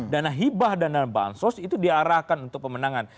dana hibah dan dana bansos itu diarahkan untuk pemenangan